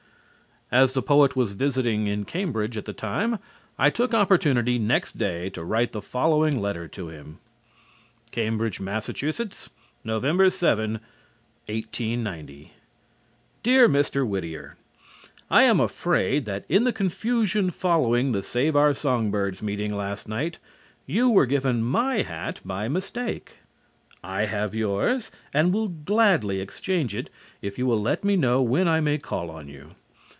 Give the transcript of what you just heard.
As the poet was visiting in Cambridge at the time I took opportunity next day to write the following letter to him: Cambridge, Mass. November 7, 1890. Dear Mr. Whittier: I am afraid that in the confusion following the Save Our Song Birds meeting last night, you were given my hat by mistake. I have yours and will gladly exchange it if you will let me know when I may call on you.